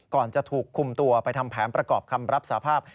ก่อนจะถูกคุมตัวไปทำแผนประกอบคำรับสาภาพ